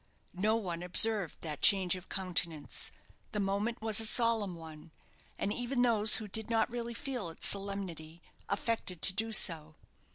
No one observed that change of countenance. The moment was a solemn one; and even those who did not really feel its solemnity, affected to do so.